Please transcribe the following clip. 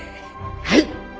はい！